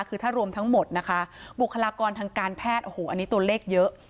คือถ้ารวมทั้งหมดนะคะบุคลากรทางการแพทย์โอ้โหอันนี้ตัวเลขเยอะ